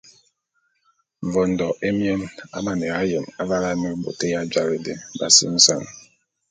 Mvondo émien a maneya yem avale ane bôt ya ja dé b’asimesan.